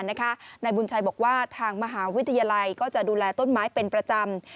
นายบุญชัยบอกว่าทางมหาวิทยาลัยก็จะดูแลต้นไม้เป็นประจำ